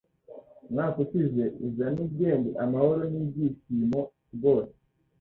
Umwaka ushize uzane ubwenge amahoro n'ibyishimo rwose